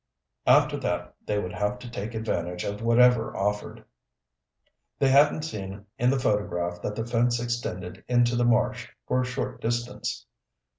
After that they would have to take advantage of whatever offered. They hadn't seen in the photograph that the fence extended into the marsh for a short distance.